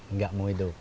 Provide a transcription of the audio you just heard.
nggak mau hidup